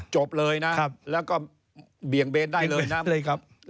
จบเลยนะแล้วก็เบี่ยงเบนได้เลยนะ